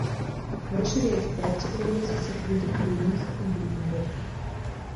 Расширяется практика организации открытых прений и брифингов.